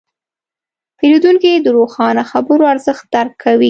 پیرودونکی د روښانه خبرو ارزښت درک کوي.